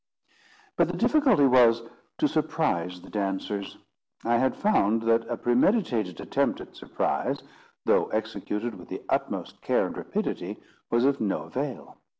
But the difficulty was, to surprise the dancers. I had found that a premeditated attempt at surprise, though executed with the utmost care and rapidity, was of no avail.